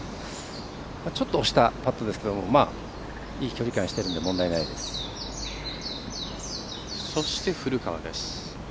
ちょっと押したパットですけどいい距離感してるので古川です。